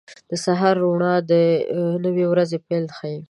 • د سهار روڼا د نوې ورځې پیل ښيي.